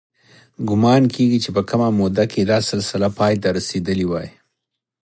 ګومان کېږي چې په کمه موده کې دا سلسله پای ته رسېدلې وي.